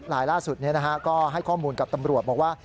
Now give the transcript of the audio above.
ลายล่าสุดก็ให้ข้อมูลกับตำรวจบอกว่า